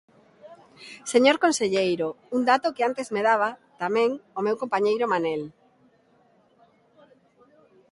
Señor conselleiro, un dato que antes me daba, tamén, o meu compañeiro Manel.